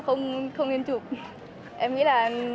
không thể rỗi được